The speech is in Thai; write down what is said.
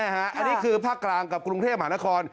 อันนี้คือภาคกลางกับกรุงเทพมหานคร